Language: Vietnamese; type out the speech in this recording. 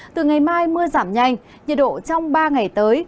từ ngày mai mưa giảm nhanh nhiệt độ trong ba ngày tới